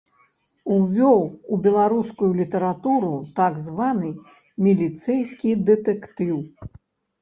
Увёў у беларускую літаратуру так званы міліцэйскі дэтэктыў.